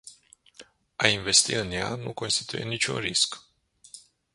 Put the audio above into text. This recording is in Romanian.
A investi în ea nu constituie niciun risc.